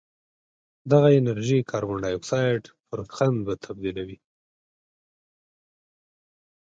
دغه انرژي کاربن ډای اکسایډ پر قند تبدیلوي